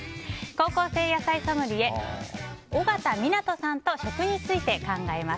高校生野菜ソムリエ緒方湊さんと食について考えます。